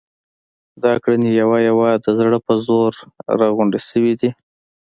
دا ګړنی یوه یوه د زړه په زور را غونډې شوې دي.